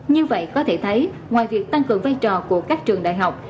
như vậy có thể thấy ngoài việc tăng cường vai trò của các trường đại học